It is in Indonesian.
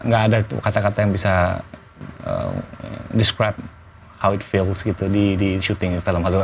gak ada kata kata yang bisa discribe how it feels gitu di syuting film holl